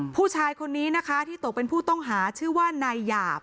ผู้ชายคนนี้ดวงเป็นผู้ต้องหาชื่อว่ายายาบ